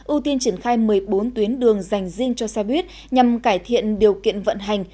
ưu tiên triển khai một mươi bốn tuyến đường dành riêng cho xe buýt nhằm cải thiện điều kiện vận hành